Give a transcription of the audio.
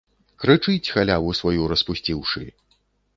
Крычыць, халяву сваю распусціўшы!